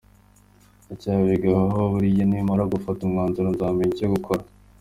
Ndacyabigaho buriya nimara gufata umwanzuro nzamenya icyo gukora.